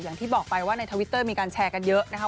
อย่างที่บอกไปว่าในทวิตเตอร์มีการแชร์กันเยอะนะคะ